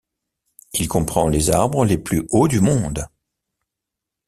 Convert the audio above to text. Il comprend les arbres les plus hauts du monde.